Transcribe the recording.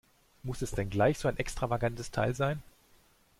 Muss es denn gleich so ein extravagantes Teil sein?